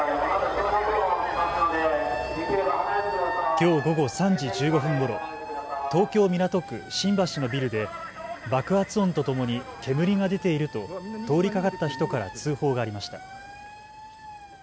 きょう午後３時１５分ごろ、東京港区新橋のビルで爆発音とともに煙が出ていると通りかかった人から通報がありました。